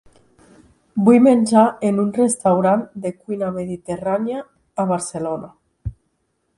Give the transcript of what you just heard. Vull menjar en un restaurant de cuina mediterrània a Barcelona.